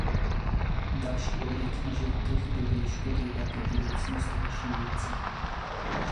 Další oběti na životech by byly škodlivé pro budoucnost naší věci.